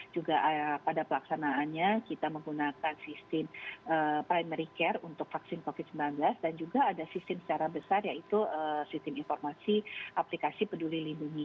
juga pada pelaksanaannya kita menggunakan sistem primary care untuk vaksin covid sembilan belas dan juga ada sistem secara besar yaitu sistem informasi aplikasi peduli lindungi